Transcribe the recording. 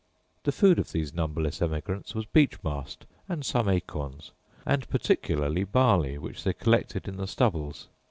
The food of these numberless emigrants was beech mast and some acorns; and particularly barley, which they collected in the stubbles.